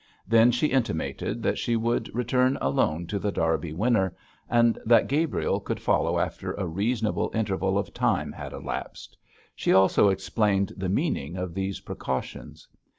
Then she intimated that she would return alone to The Derby Winner, and that Gabriel could follow after a reasonable interval of time had elapsed. She also explained the meaning of these precautions.